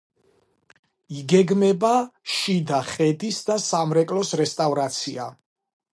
იგეგმება შიდა ხედის და სამრეკლოს რესტავრაცია.